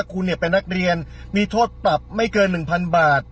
คุณเนี่ยเป็นนักเรียนมีโทษปรับไม่เกินหนึ่งพันบาท